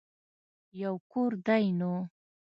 يو کور دی نو.